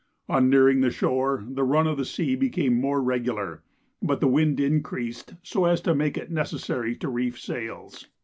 On nearing the shore the run of the sea became more regular; but the wind increased so as to make it necessary to reef sails.